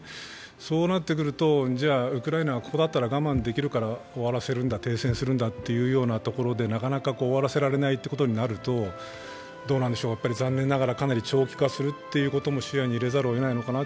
そうなってくるとじゃウクライナはここだったら我慢できるから終わらせるんだ、停戦するんだというところでなかなか終わらせられないということになると残念ながらかなり長期化することも視野に入れざるをえないのかな